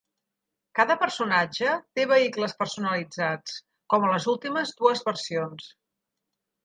Cada personatge té vehicles personalitzats, com a les últimes dues versions.